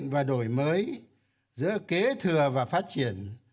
giữa đổi mới giữa kế thừa và phát triển